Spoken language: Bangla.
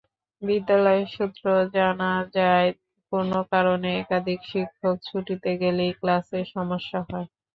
বিদ্যালয় সূত্রে জানা যায়, কোনো কারণে একাধিক শিক্ষক ছুটিতে গেলেই ক্লাসের সমস্যা হয়।